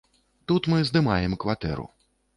Тут мы здымаем кватэру.